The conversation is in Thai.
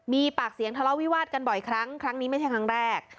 มีปากเสียงทะเลาะวิวาดกันบ่อยครั้งครั้งนี้ไม่ใช่ครั้งแรก